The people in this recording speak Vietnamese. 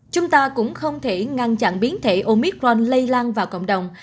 chúng ta cũng không thể ngăn chặn biến thể omicron lây lan vào cộng đồng